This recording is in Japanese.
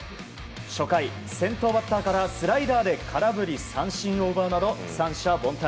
初回、先頭バッターからスライダーで空振り三振を奪うなど三者凡退。